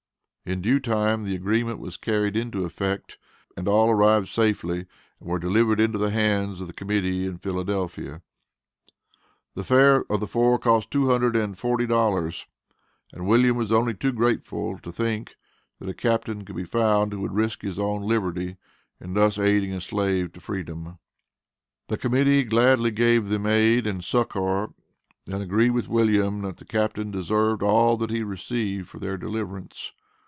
In due time the agreement was carried into effect, and all arrived safely and were delivered into the hands of the Committee in Philadelphia. The fare of the four cost $240, and William was only too grateful to think, that a Captain could be found who would risk his own liberty in thus aiding a slave to freedom. The Committee gladly gave them aid and succor, and agreed with William that the Captain deserved all that he received for their deliverance.